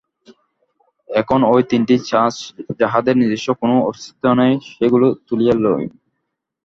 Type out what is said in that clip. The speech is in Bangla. এখন ঐ তিনটি ছাঁচ, যাহাদের নিজস্ব কোন অস্তিত্ব নাই, সেগুলি তুলিয়া লউন।